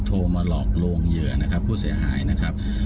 โทรมาหลอกลวงเหยื่อนะครับผู้เสียหายนะครับ